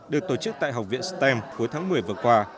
được tổ chức tại học viện stem cuối tháng một mươi vừa qua